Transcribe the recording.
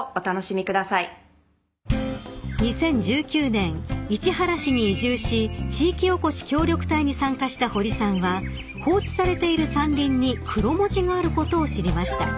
［２０１９年市原市に移住し地域おこし協力隊に参加した掘さんは放置されている山林にクロモジがあることを知りました］